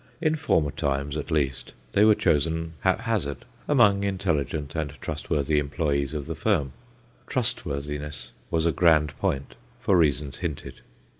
In former times, at least, they were chosen haphazard, among intelligent and trustworthy employés of the firm. Trustworthiness was a grand point, for reasons hinted.